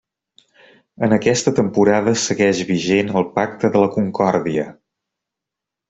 En aquesta temporada segueix vigent el Pacte de la Concòrdia.